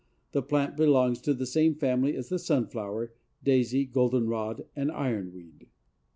The plant belongs to the same family as the sunflower, daisy, goldenrod and iron weed.